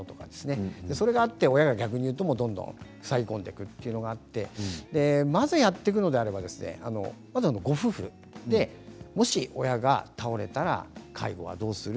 それがあって親がどんどんふさぎ込んでくるというのがあってまずやっていくのであればまずはご夫婦でもし親が倒れたら介護はどうする？